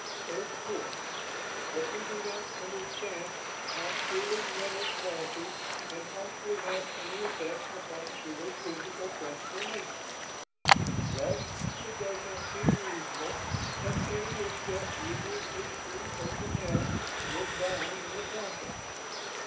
"Of course. But we do not understand how purely mental qualities can possibly have any effect upon purely physical transformations. Thus it does not seem reasonable that any except rigorously screened personnel would die in the process.